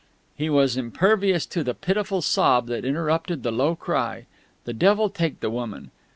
He was impervious to the pitiful sob that interrupted the low cry. The devil take the woman!